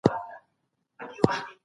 اقتصاد د دولت له خوا اداره کېږي.